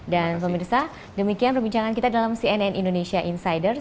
dan pemirsa demikian perbincangan kita dalam cnn indonesia insider